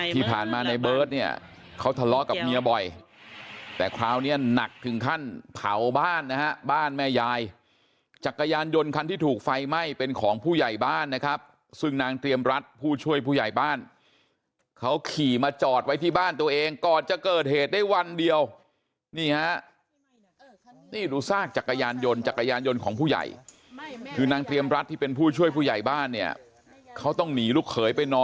ที่ผ่านมาในเบิร์ตเนี่ยเขาทะเลาะกับเมียบ่อยแต่คราวนี้หนักถึงขั้นเผาบ้านนะฮะบ้านแม่ยายจักรยานยนต์คันที่ถูกไฟไหม้เป็นของผู้ใหญ่บ้านนะครับซึ่งนางเตรียมรัฐผู้ช่วยผู้ใหญ่บ้านเขาขี่มาจอดไว้ที่บ้านตัวเองก่อนจะเกิดเหตุได้วันเดียวนี่ฮะนี่ดูซากจักรยานยนต์จักรยานยนต์ของผู้ใหญ่คือนางเตรียมรัฐที่เป็นผู้ช่วยผู้ใหญ่บ้านเนี่ยเขาต้องหนีลูกเขยไปน